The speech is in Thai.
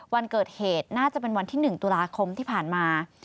วันเกิดเหตุน่าจะเป็นวันที่๑ตุลาคมที่ผ่านมา